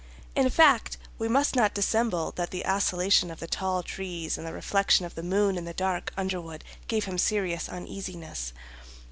In fact, we must not dissemble that the oscillation of the tall trees and the reflection of the moon in the dark underwood gave him serious uneasiness.